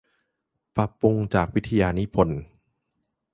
ปรับปรุงจากวิทยานิพนธ์